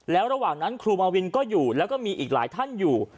แล้วระหว่างนั้นครูมาวินก็อยู่แล้วก็มีอีกหลายท่านอยู่